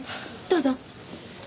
どうぞ。